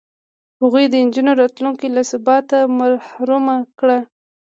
هغوی د نجونو راتلونکې له ثباته محرومه کړه.